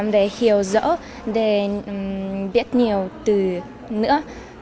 để hiểu rõ để biết nhiều từ nữa